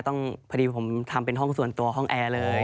ต้องทำเป็นโซนตัวห้องแอร์เลย